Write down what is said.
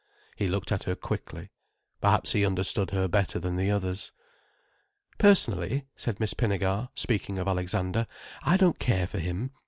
He looked at her quickly. Perhaps he understood her better than the others. "Personally," said Miss Pinnegar, speaking of Alexander, "I don't care for him.